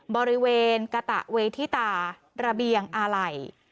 บริเวณกะตะเวทิตาระเบียงอาไหล่